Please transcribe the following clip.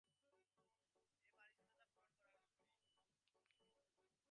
এই পানিশূন্যতা পূরণ করা জরুরি।